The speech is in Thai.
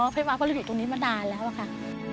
เพราะว่าเขาอยู่ตรงนี้มานานแล้วค่ะ